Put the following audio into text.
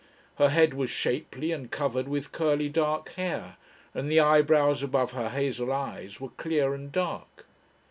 Her head was shapely and covered with curly dark hair, and the eyebrows above her hazel eyes were clear and dark.